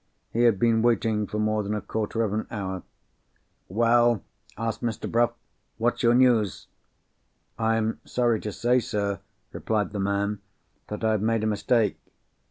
He had been waiting for more than a quarter of an hour. "Well!" asked Mr. Bruff. "What's your news?" "I am sorry to say, sir," replied the man, "that I have made a mistake.